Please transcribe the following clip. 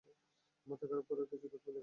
মাথাখারাপ করা কিছু তথ্য লেখা আছে, তাই না?